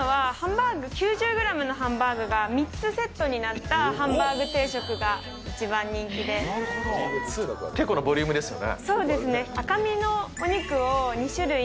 一番人気なのはハンバーグ９０グラム、ハンバーグが３つセットになったハンバーグ定食が一結構なボリュームですよね。